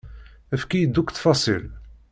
Efk-iyi-d akk ttfaṣil.